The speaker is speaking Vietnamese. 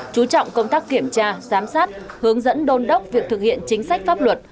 chú trọng công tác kiểm tra giám sát hướng dẫn đôn đốc việc thực hiện chính sách pháp luật